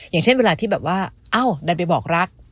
อย่างเช่นเวลาที่แบบว่าเอ้าดันไปบอกรัก